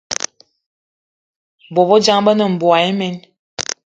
Bobejang, be ne mboigi imen.